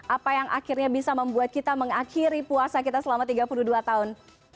apa yang akhirnya bisa membuat kita mengakhiri puasa kita selama tiga puluh dua tahun